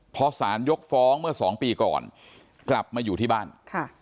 พอสารยกฟ้องเมื่อสองปีก่อนกลับมาอยู่ที่บ้านค่ะ